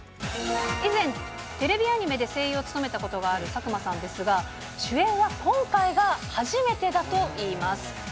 以前、テレビアニメで声優を務めたことがある佐久間さんですが、主演は今回が初めてだといいます。